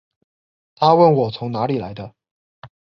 她问我从哪里来的